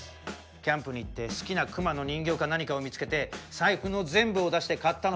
キャンプに行って好きな熊の人形か何かを見つけて財布の全部を出して買ったのと同じです。